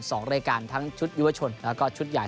สองรายการทั้งชุดยุวชนแล้วก็ชุดใหญ่